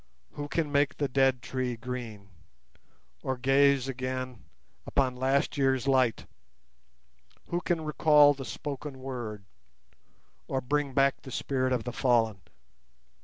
Who can make the dead tree green, or gaze again upon last year's light? Who can recall the spoken word, or bring back the spirit of the fallen?